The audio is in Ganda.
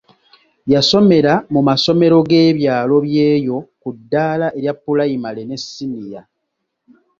Yasomera mu masomero g'ebyalo byeyo ku ddaala erya Pulayimale ne Siniya.